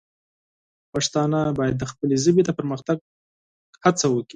پښتانه باید د خپلې ژبې د علمي پرمختګ هڅه وکړي.